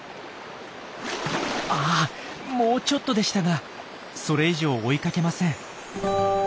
あもうちょっとでしたがそれ以上追いかけません。